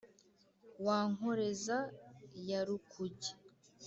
wa nkoreza ya rukuge,